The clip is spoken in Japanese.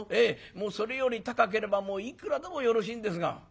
それより高ければもういくらでもよろしいんですが」。